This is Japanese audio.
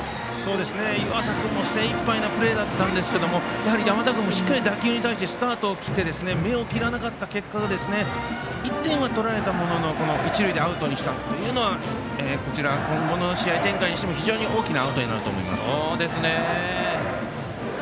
湯浅君も精いっぱいのプレーだったんですがやはり山田君もしっかり打球に対してスタートを切って目を切らなかった結果が１点は取られたものの一塁でアウトにしたというのは今後の試合展開にしても非常に大きなアウトになると思います。